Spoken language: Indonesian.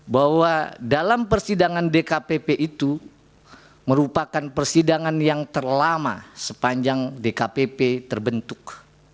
bahwa dalam persidangan dkpp itu merupakan persidangan yang terlama sepanjang dkpp terbentuk